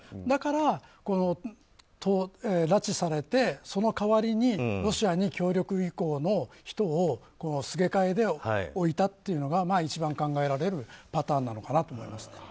だから拉致されてその代わりにロシアに協力意向の人をすげ替えで置いたというのが一番考えられるパターンなのかなと思いました。